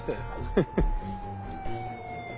フフッ。